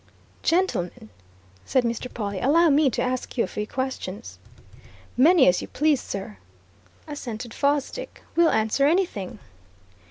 "Gentlemen," said Mr. Pawle, "allow me to ask you a few questions." "Many as you please, sir," assented Fosdick. "We'll answer anything."